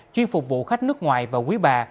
chuyên phục vụ khách nước ngoài và quý bà